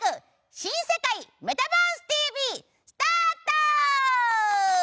「新世界メタバースＴＶ！！」スタート！